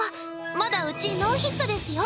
まだうちノーヒットですよ！